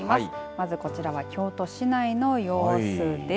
まずこちらは京都市内の様子です。